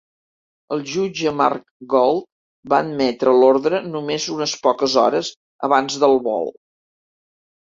El jutge Marc Gold va admetre l"ordre només unes poques hores abans del vol.